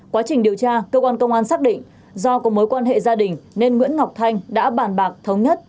quá trình điều tra cơ quan công an xác định do có mối quan hệ gia đình nên nguyễn ngọc thanh đã bàn bạc thống nhất